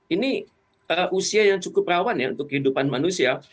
ini usia yang cukup rawan ya untuk kehidupan manusia